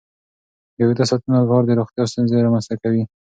د اوږده ساعتونو کار د روغتیا ستونزې رامنځته کوي.